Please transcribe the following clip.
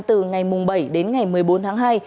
từ ngày bảy đến ngày một mươi bốn tháng hai